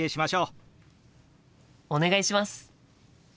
お願いします。